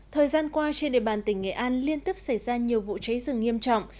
thời gian qua trên địa bàn tỉnh nghệ an liên tiếp xảy ra nhiều vụ cháy rừng nghiêm trọng